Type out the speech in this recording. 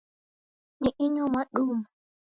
Ni inyo mwadumwa?